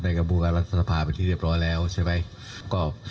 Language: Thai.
กระบวนการรัฐสภาเป็นที่เรียบร้อยแล้วใช่ไหม